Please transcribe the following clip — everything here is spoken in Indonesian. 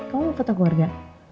kamu mau potong keluarga